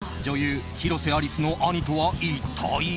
今を時めく女優広瀬アリスの兄とは一体。